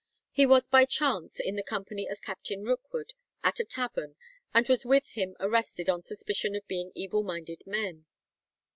He was by chance in the company of Captain Rookwood at a tavern, and was with him arrested on suspicion of being "evil minded men."